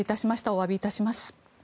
おわびいたします。